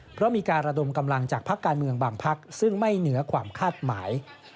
เพราะมีการระดมกำลังจากพักการเมืองบางพักซึ่งไม่เหนือความคาดหมาย